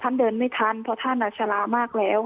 ท่านเดินไม่ทันเพราะท่านชะลามากแล้ว